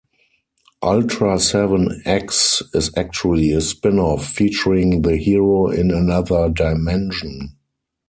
Ultraseven X is actually a spin-off featuring the hero in another dimension.